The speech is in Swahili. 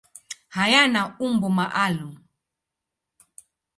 Hayana umbo maalum.